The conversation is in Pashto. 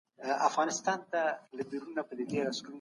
نړۍ هر وخت بدلېږي.